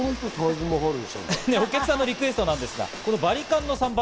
お客さんのリクエストなんですが、バリカンの散髪